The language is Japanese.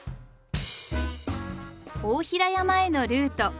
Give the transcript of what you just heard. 大平山へのルート。